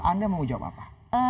anda mau jawab apa